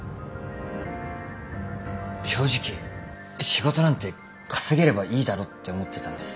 正直仕事なんて稼げればいいだろって思ってたんです。